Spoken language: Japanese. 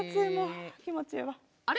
あれ？